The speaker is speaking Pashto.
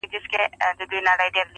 زه به د څو شېبو لپاره نور.